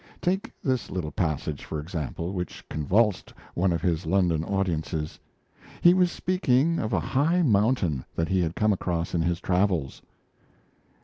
Take this little passage, for example, which convulsed one of his London audiences. He was speaking of a high mountain that he had come across in his travels.